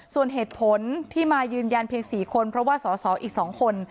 ส่วนเหตุผลที่มายืนยันเพียง๔คนเพราะว่าสอสออีก๒คน